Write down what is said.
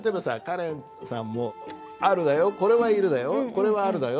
「これは『ある』だよ」